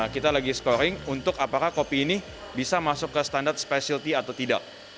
kita lagi scoring untuk apakah kopi ini bisa masuk ke standar specialty atau tidak